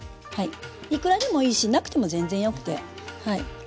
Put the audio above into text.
いくらでもいいしなくても全然よくて。